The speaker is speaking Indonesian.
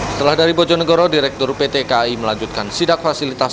setelah dari bojonegoro direktur pt kai melanjutkan sidak fasilitas